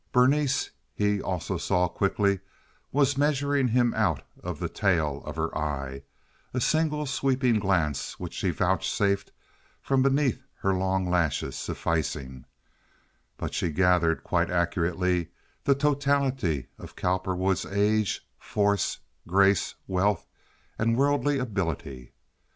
Berenice, he also saw quickly, was measuring him out of the tail of her eye—a single sweeping glance which she vouchsafed from beneath her long lashes sufficing; but she gathered quite accurately the totality of Cowperwood's age, force, grace, wealth, and worldly ability.